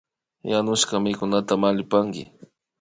Yanushka mikunata mallipanki